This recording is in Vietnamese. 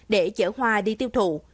để chở hoa đi tiêu thụ